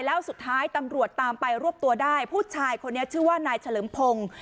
แล้วสุดท้ายตำรวจตามไปรวบตัวได้ผู้ชายคนนี้ชื่อว่านายเฉลิมพงศ์